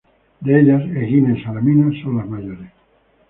De ellas, Egina y Salamina son las mayores.